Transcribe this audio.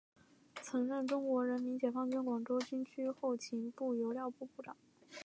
曾任中国人民解放军广州军区后勤部油料部部长。